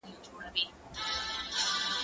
ته ولي درسونه اورې،